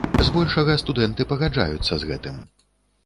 Збольшага студэнты пагаджаюцца з гэтым.